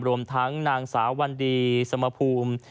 รวมทั้งนางสาววันดีสมภูมิ